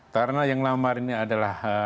karena yang lamar ini adalah